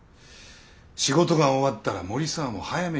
仕事が終わったら森澤も早めに帰れ。